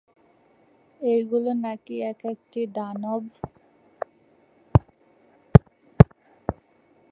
এইগুলো নাকি ছিল এক একটি দানব।